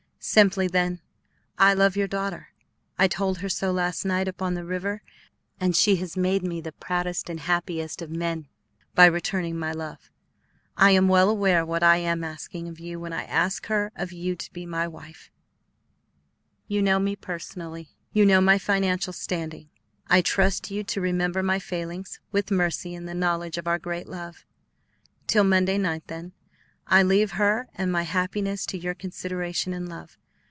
Simply, then, I love your daughter. I told her so last night upon the river, and she has made me the proudest and happiest of men by returning my love. I am well aware what I am asking of you when I ask her of you to be my wife. You know me personally; you know my financial standing; I trust to you to remember my failings with mercy in the knowledge of our great love. Till Monday night, then, I leave her and my happiness to your consideration and love.